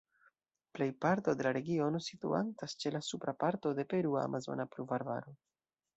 Plej parto de la regiono situantas ĉe la supra parto de perua Amazona Pluvarbaro.